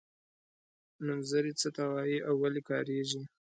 نومځري څه ته وايي او ولې کاریږي.